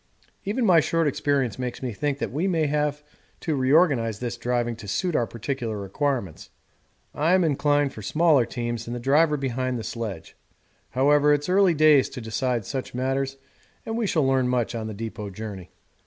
Even my short experience makes me think that we may have to reorganise this driving to suit our particular requirements. I am inclined for smaller teams and the driver behind the sledge. However, it's early days to decide such matters, and we shall learn much on the depot journey.